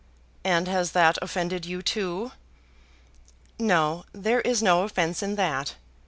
"And has that offended you, too?" "No, there is no offence in that.